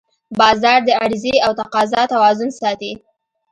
بازار د عرضې او تقاضا توازن ساتي